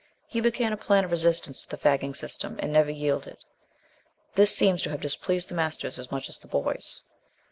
He began a plan of resistance to the fagging system, and never yielded ; this seems to have displeased the masters as much as the boys.